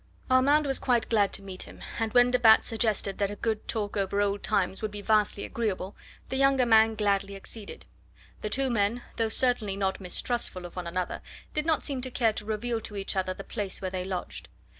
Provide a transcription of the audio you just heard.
Armand was quite glad to meet him, and when de Batz suggested that a good talk over old times would be vastly agreeable, the younger man gladly acceded. The two men, though certainly not mistrustful of one another, did not seem to care to reveal to each other the place where they lodged.